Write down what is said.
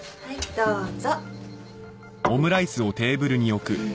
どうぞ。